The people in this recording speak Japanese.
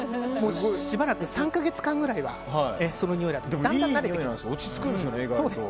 しばらく３か月間くらいはそのにおいだと思います。